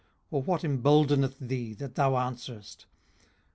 or what emboldeneth thee that thou answerest?